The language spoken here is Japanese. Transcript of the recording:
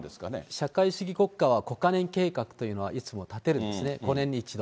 社会主義国家は５か年計画っていうのは、いつも立てるんですね、５年に１度。